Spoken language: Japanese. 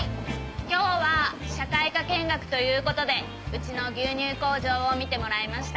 今日は社会科見学という事でうちの牛乳工場を見てもらいました。